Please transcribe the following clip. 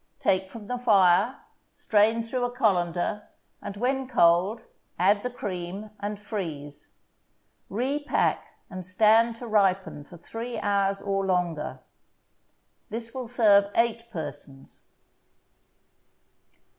Take from the fire, strain through a colander, and, when cold, add the cream, and freeze. Repack and stand to ripen for three hours or longer. This will serve eight persons.